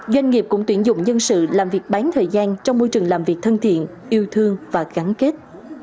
doanh nghiệp cũng tuyển dụng nhân sự làm việc bán thời gian trong môi trường làm việc thân thiện yêu thương và gắn kết